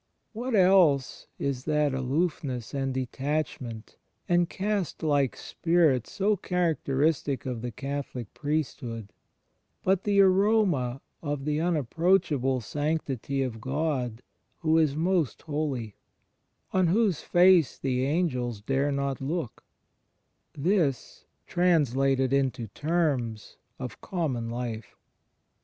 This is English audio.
What else is that aloofness and detach ment and caste Uke spirit so characteristic of the Cath* 74 ^I^HE FRIENDSHIP OF CHRIST olic priesthood, but the aroma of the unapproachable sanctity of God who is Most Holy, on whose Face the angels dare not look — this, translated into terms of common life?